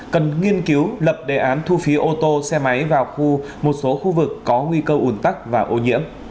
cần nghiên cứu lập đề án thu phí ô tô xe máy vào khu một số khu vực có nguy cơ ủn tắc và ô nhiễm